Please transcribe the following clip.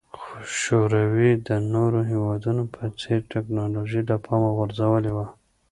خو شوروي د نورو هېوادونو په څېر ټکنالوژي له پامه غورځولې وه